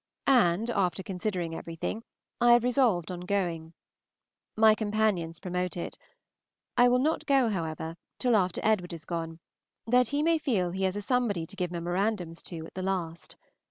And, after considering everything, I have resolved on going. My companions promote it. I will not go, however, till after Edward is gone, that he may feel he has a somebody to give memorandums to, to the last.